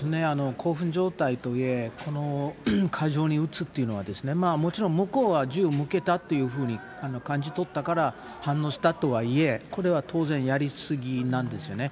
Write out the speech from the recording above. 興奮状態とはいえ、過剰に撃つっていうのはですね、もちろん向こうは銃向けたというふうに感じ取ったから反応したとはいえ、これは当然やり過ぎなんですね。